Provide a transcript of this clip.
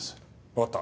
わかった。